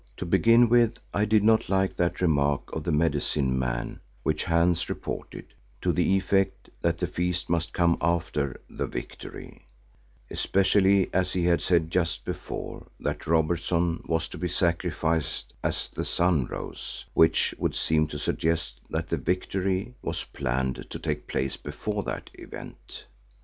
To begin with I did not like that remark of the Medicine man which Hans reported, to the effect that the feast must come after the victory, especially as he had said just before that Robertson was to be sacrificed as the sun rose, which would seem to suggest that the "victory" was planned to take place before that event.